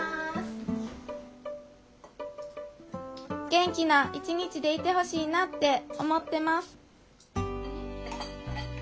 元気な一日でいてほしいなって思ってます